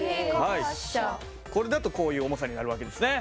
これだとこういう重さになる訳ですね。